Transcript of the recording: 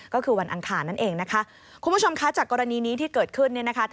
ก็คือวันอังคารนั่นเองนะคะคุณผู้ชมคะจากกรณีนี้ที่เกิดขึ้นเนี่ยนะคะ